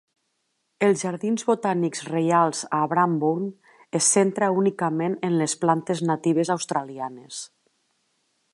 Els Jardins Botànics Reials a Branbourne es centra únicament en les plantes natives australianes.